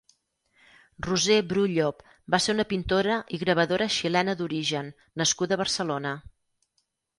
Roser Bru Llop va ser una pintora i gravadora xilena d'origen nascuda a Barcelona.